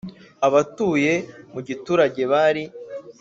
Abatuye mu giturage bari